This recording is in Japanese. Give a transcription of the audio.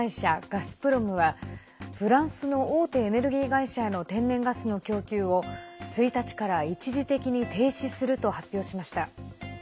ガスプロムはフランスの大手エネルギー会社への天然ガスの供給を１日から一時的に停止すると発表しました。